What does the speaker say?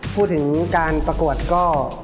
พูดถึงการประกวดก็